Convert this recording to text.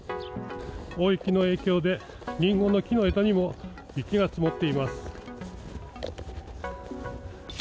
大雪の影響で、りんごの木の枝にも、雪が積もっています。